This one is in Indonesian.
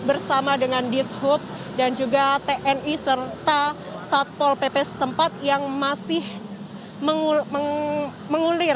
bersama dengan dishub dan juga tni serta satpol pp setempat yang masih mengulir